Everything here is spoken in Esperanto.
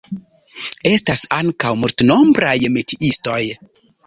Estas ankaŭ multnombraj metiistoj.